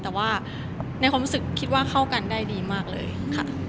แต่ว่าในความรู้สึกคิดว่าเข้ากันได้ดีมากเลยค่ะ